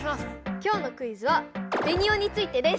今日のクイズはベニオについてです。